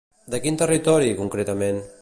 De quin territori, concretament?